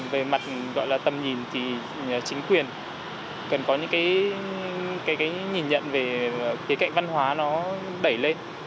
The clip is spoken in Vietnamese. về mặt gọi là tầm nhìn thì chính quyền cần có những cái nhìn nhận về cái cạnh văn hóa nó đẩy lên